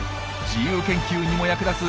自由研究にも役立つ